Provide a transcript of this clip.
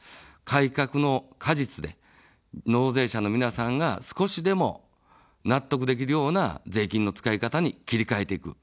改革の果実で、納税者の皆さんが少しでも納得できるような税金の使い方に切り替えていく。